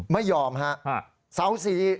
ไม่ยอมฮะ